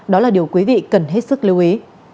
đó là điều quý vị cần hết sức lưu ý